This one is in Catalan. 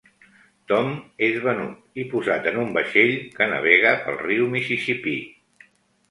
Tom és venut i posat en un vaixell que navega pel riu Mississipí.